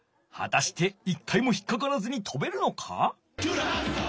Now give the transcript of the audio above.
はたして一回も引っかからずにとべるのか？